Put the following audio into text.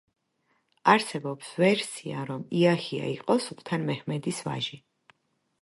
არსებობს ვერსია, რომ იაჰია იყო სულთან მეჰმედის ვაჟი.